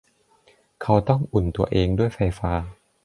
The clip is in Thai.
เขาต้องอุ่นตัวเองด้วยไฟไฟฟ้า